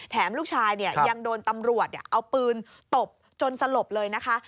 ลูกชายยังโดนตำรวจเอาปืนตบจนสลบเลยนะคะ